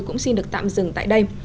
cũng xin được tạm dừng tại đây